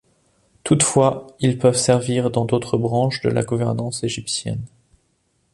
Toutefois, ils peuvent servir dans d'autres branches de la gouvernance égyptienne.